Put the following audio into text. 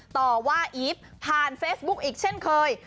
ต่อว่าอีฟผ่านเฟซบุ๊กอีกเช่นเคย